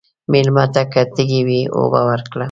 مېلمه ته که تږی وي، اوبه ورکړه.